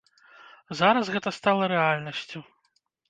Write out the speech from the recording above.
Зараз гэта стала рэальнасцю.